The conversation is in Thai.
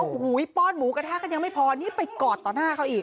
โอ้โหป้อนหมูกระทะกันยังไม่พอนี่ไปกอดต่อหน้าเขาอีก